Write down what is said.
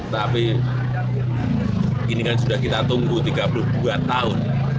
tapi ini kan sudah kita tunggu tiga puluh dua tahun